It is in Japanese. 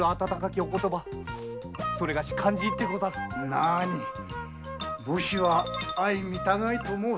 なに「武士は相身互い」と申す。